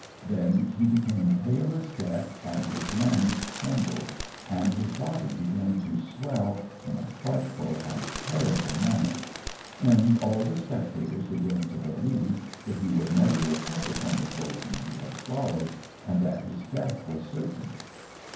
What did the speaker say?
Then he became pale as death and his limbs trembled, and his body began to swell in a frightful and terrible manner; and all the spectators began to believe that he would never recover from the poison he had swallowed, and that his death was certain.